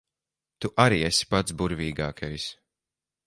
Tu arī esi pats burvīgākais.